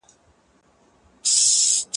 ښاغلي هشمت جان رغبت په خپل خواږه ږغ کي داغزل ویلې